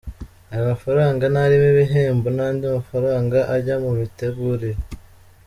Ayo mafaranga ntarimo ibihembo n’andi mafaranga ajya mu mitegurire.’’